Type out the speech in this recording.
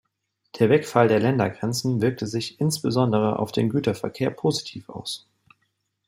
Der Wegfall der Ländergrenzen wirkte sich insbesondere auf den Güterverkehr positiv aus.